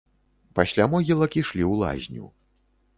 Пасля могілак ішлі ў лазню.